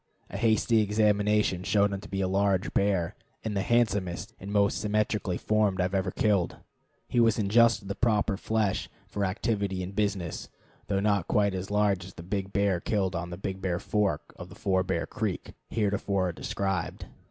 A hasty examination showed him to be a large bear, and the handsomest and most symmetrically formed I had ever killed. He was in just the proper flesh for activity and business, though not quite as large as the big bear killed on the Big Bear Fork of Four Bear Creek, heretofore described.